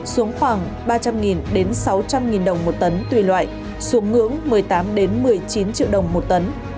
xuống khoảng ba trăm linh sáu trăm linh đồng một tấn tùy loại xuống ngưỡng một mươi tám một mươi chín triệu đồng một tấn